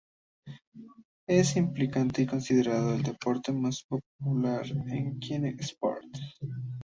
Es ampliamente considerado el deporte más popular de "Kinect Sports".